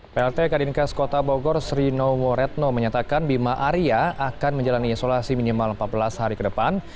plt kadinkas kota bogor sri nowo retno menyatakan bima aria akan menjalani isolasi minimal empat belas hari ke depan